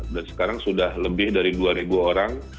dan sekarang sudah lebih dari dua ribu orang